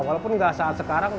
walaupun nggak saat sekarang